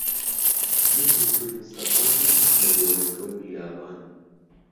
من دوکتور موستهفا نیم له بێلۆکه و میراوان